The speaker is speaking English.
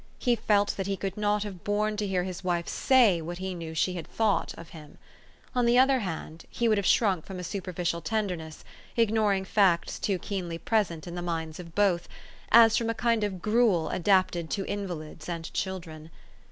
He felt that he could not have borne to hear his wife say what he knew she had thought of him. On the other hand, he would have shrunk from a superficial tenderness ignoring facts too keenly present in the minds of both as from a kind of gruel adapted to invalids and children.